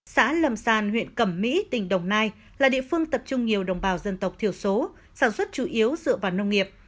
xã lầm sàn huyện cẩm mỹ tỉnh đồng nai là địa phương tập trung nhiều đồng bào dân tộc thiểu số sản xuất chủ yếu dựa vào nông nghiệp